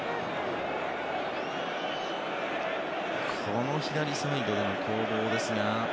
この左サイドの攻防ですが。